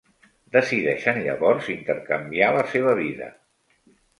Decideixen llavors intercanviar la seva vida.